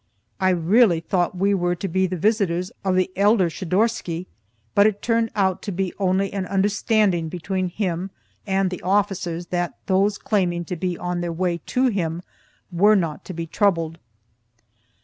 I really thought we were to be the visitors of the elder Schidorsky, but it turned out to be only an understanding between him and the officers that those claiming to be on their way to him were not to be troubled.